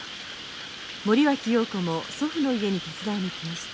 森脇瑤子も祖父の家に手伝いに来ました。